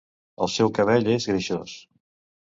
El seu cabell és greixós.